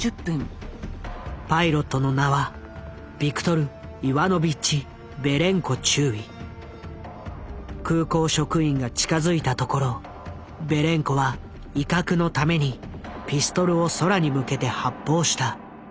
パイロットの名は空港職員が近づいたところベレンコは威嚇のためにピストルを空に向けて発砲した。